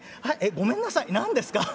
ごめんなさい何ですか？